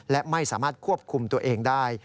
และไม่สามารถควบคุมตัวเองได้